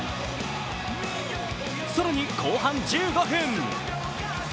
更に後半１５分。